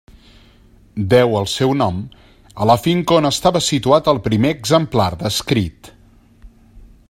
Deu el seu nom a la finca on estava situat el primer exemplar descrit.